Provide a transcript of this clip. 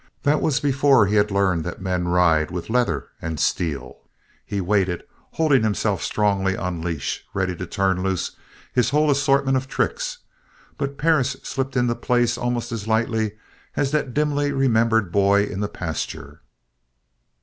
That was before he had learned that men ride with leather and steel. He waited, holding himself strongly on leash, ready to turn loose his whole assortment of tricks but Perris slipped into place almost as lightly as that dimly remembered boy in the pasture.